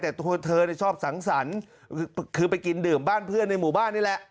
แต่ตัวเธอชอบสังสรรค์คือไปกินดื่มบ้านเพื่อนในหมู่บ้านนี่แหละ